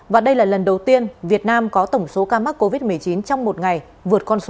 và đây là lần đầu tiên việt nam có tổng số ca mắc covid một mươi chín trong một ngày vượt con số